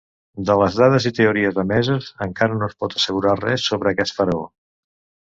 De les dades i teories emeses, encara no es pot assegurar res sobre aquest faraó.